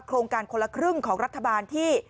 โครงการคนละครึ่งของรัฐบาลที่